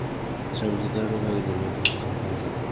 স্বামীজী তাঁহাকে ভগিনীর মত স্নেহ করিতেন।